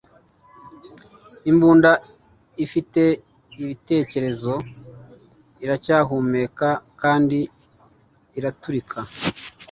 Imbunda idafite ibitekerezo iracyahumeka kandi iraturika